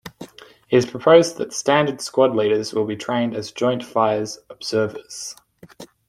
It is proposed that standard squad leaders will be trained as Joint Fires Observers.